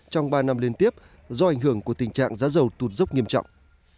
trong ba năm liên tiếp do ảnh hưởng của tình trạng giá dầu tụt dốc nghiêm trọng